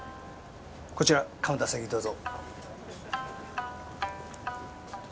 こちらカウンター席にどうぞ。